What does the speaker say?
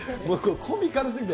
コミカルすぎて。